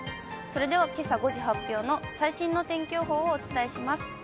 それではけさ５時発表の最新の天気予報をお伝えします。